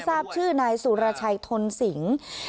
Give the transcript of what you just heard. ทราบชื่อนายสุรชัยทนสิงศ์